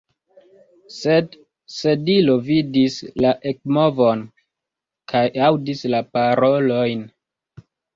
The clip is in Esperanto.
Sed Sedilo vidis la ekmovon kaj aŭdis la parolojn.